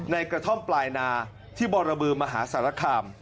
กระท่อมปลายนาที่บรบือมหาสารคาม